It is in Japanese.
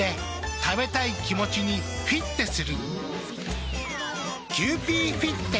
食べたい気持ちにフィッテする。